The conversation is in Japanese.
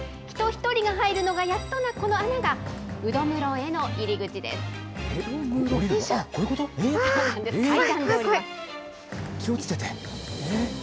人１人が入るのがやっとなこの穴が、うど室への入り口です。